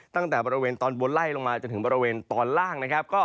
ตั้งแต่บริเวณตอนบนไล่ลงมาจนถึงบริเวณตอนล่างนะครับ